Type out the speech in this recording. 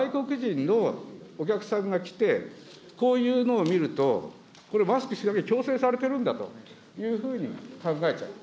外国人のお客さんが来て、こういうのを見ると、これ、マスク強制されてるんだと考えちゃう。